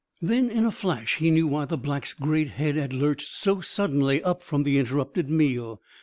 Then, in a flash, he knew why the Black's great head had lurched so suddenly up from the interrupted meal.